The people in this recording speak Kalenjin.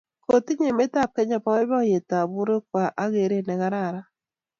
kotinye emetab Kenya boiboiyetab borwekwai ago gereet negararan